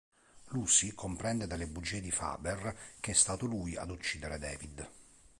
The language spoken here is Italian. Lucy comprende dalle bugie di Faber che è stato lui ad uccidere David.